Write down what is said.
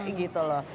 capek gitu loh